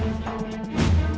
putra sampeeng ini